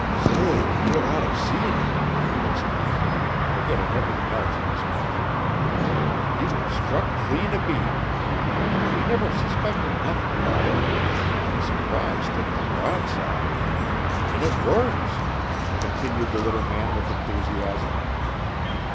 "Say, you'd oughter seen him!" exclaimed he, forgetting everything else in his pleasure. "He was struck clean abeam! He never suspected nothin' about it an' the surprise took him broadside. An' it works!" continued the little man with enthusiasm.